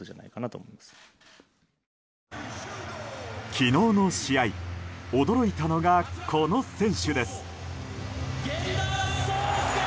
昨日の試合、驚いたのがこの選手です。